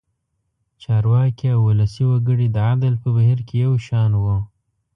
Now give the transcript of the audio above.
چارواکي او ولسي وګړي د عدل په بهیر کې یو شان وو.